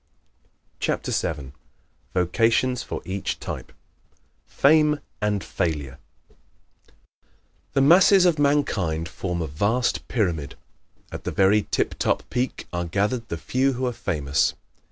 _ CHAPTER VII Vocations For Each Type "Fame and Failure" The masses of mankind form a vast pyramid. At the very tip top peak are gathered the few who are famous.